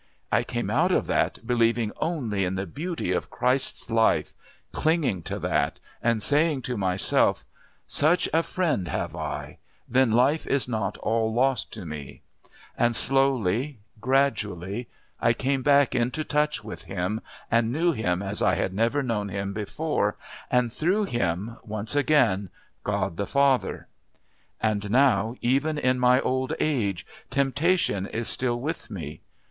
I came out of that believing only in the beauty of Christ's life, clinging to that, and saying to myself, 'Such a friend have I then life is not all lost to me' and slowly, gradually, I came back into touch with Him and knew Him as I had never known Him before, and, through Him, once again God the Father. And now, even in my old age, temptation is still with me.